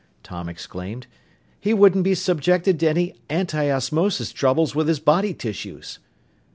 Tom exclaimed. "He wouldn't be subjected to any antiosmosis troubles with his body tissues."